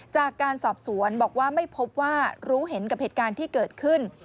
จากการสอบสวนบอกว่าไม่พบว่ารู้เห็นกับเหตุการณ์ที่เกิดขึ้น